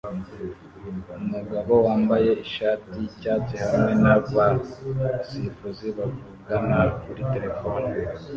Umugabo wambaye ishati yicyatsi hamwe nabasifuzi bavugana kuri terefone